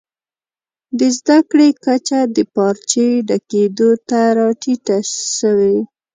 د زده کړي کچه د پارچې ډکېدو ته راټیټه سوې.